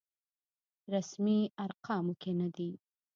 رسمي ارقامو کې نه دی.